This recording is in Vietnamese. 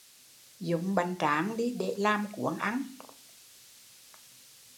Dúng bánh tráng để làm cuốn ăn